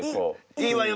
いいわよ